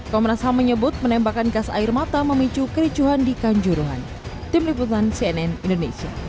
komnas ham menyebut menembakkan kas air mata memicu kericuhan di kanjuruhan